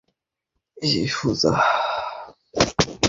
এই, সুজা!